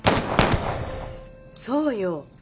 そうよ。